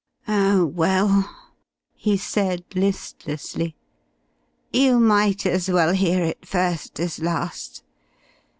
"Oh, well," he said, listlessly, "you might as well hear it first as last.